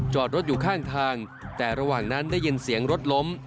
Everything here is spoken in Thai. จอดรถอยู่ข้างทางแต่ระหว่างนั้นได้ยินเสียงรถล้ม